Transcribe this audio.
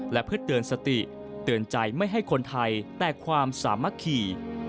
และเพื่อเตือนสติเตือนใจไม่ให้คนไทยแตกความสามัคคี